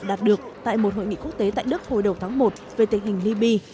đạt được tại một hội nghị quốc tế tại đức hồi đầu tháng một về tình hình liby